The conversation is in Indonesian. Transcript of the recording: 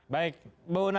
banyaklah gitu ya